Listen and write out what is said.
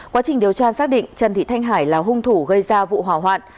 quá trình điều tra xác định trần thị thanh hải là hung thủ gây ra vụ hỏa hoạn